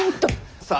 さあ。